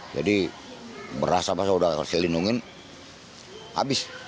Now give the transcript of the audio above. jadi berasa pas udah selindungin habis